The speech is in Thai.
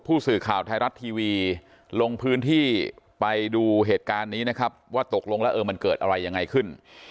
ผู้สื่อข่าวไทยรัฐทีวีลงพื้นที่ไปดูเหตุการณ์นี้นะครับว่าตกลงแล้วเออมันเกิดอะไรยังไงขึ้น